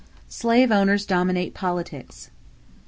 =Slave Owners Dominate Politics.